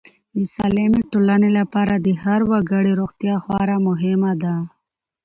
د سالمې ټولنې لپاره د هر وګړي روغتیا خورا مهمه ده.